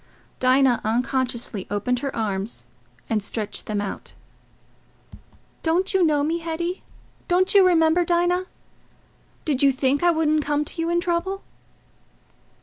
Dinah unconsciously opened her arms and stretched them out. "Don't you know me, Hetty? Don't you remember Dinah? Did you think I wouldn't come to you in trouble?"